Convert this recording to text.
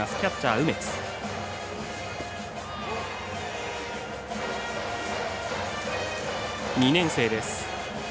梅津、２年生です。